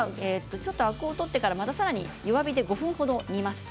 アクを取ってからさらに弱火で５分間ほど煮ます。